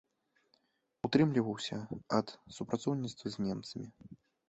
Устрымліваўся ад супрацоўніцтва з немцамі.